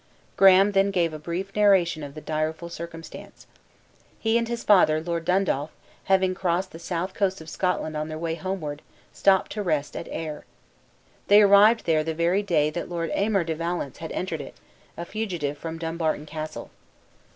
Graham then gave a brief narration of the direful circumstance. He and his father, Lord Dundaff, having crossed the south coast of Scotland on their way homeward, stopped to rest at Ayr. They arrived there the very day that Lord Aymer de Valence had entered it, a fugitive from Dumbarton Castle.